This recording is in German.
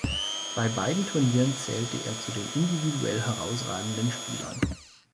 Bei beiden Turnieren zählte er zu den individuell herausragenden Spielern.